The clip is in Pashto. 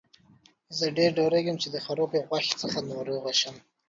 زه ډیر ډاریږم چې د خرابې غوښې څخه ناروغه شم.